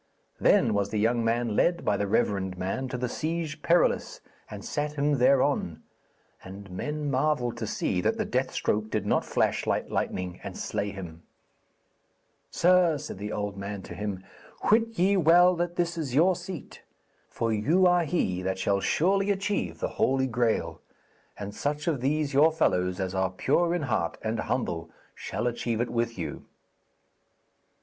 Then was the young man led by the reverend man to the Siege Perilous, and sat him thereon, and men marvelled to see that the death stroke did not flash like lightning and slay him. [Illustration: SIR GALAHAD IS BROUGHT TO THE COURT OF KING ARTHUR] 'Sir,' said the old man to him, 'wit ye well that that is your seat. For you are he that shall surely achieve the Holy Graal, and such of these your fellows as are pure in heart and humble shall achieve it with you.'